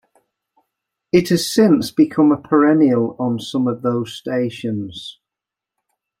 It has since become a perennial on some of those stations.